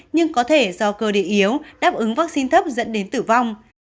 nhưng có thể do cơ địa yếu đáp ứng vaccine thấp dẫn đến tử vong